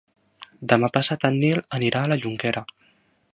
Demà passat en Nil anirà a la Jonquera.